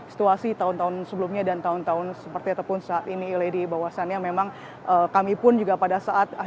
situasi tahun tahun sebelumnya dan tahun tahun seperti ataupun saat ini lady bahwasannya memang kami pun juga pada saat